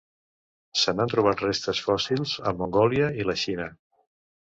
Se n'han trobat restes fòssils a Mongòlia i la Xina.